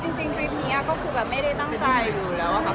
จริงดริปนี้ไม่ได้ตั้งใจอยู่แล้ว